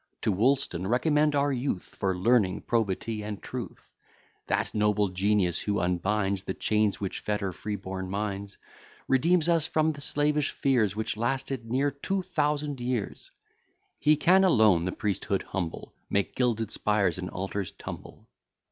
To Woolston recommend our youth, For learning, probity, and truth; That noble genius, who unbinds The chains which fetter freeborn minds; Redeems us from the slavish fears Which lasted near two thousand years; He can alone the priesthood humble, Make gilded spires and altars tumble.